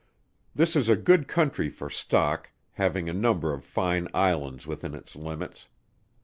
This is a good county for stock, having a number of fine Islands within its limits.